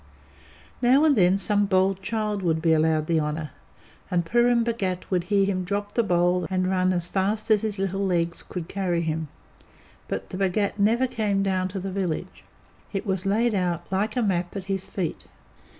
Now and then some bold child would be allowed the honour, and Purun Bhagat would hear him drop the bowl and run as fast as his little legs could carry him, but the Bhagat never came down to the village. It was laid out like a map at his feet.